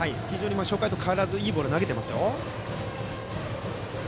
初回と変わらずいいボールを投げてますよ。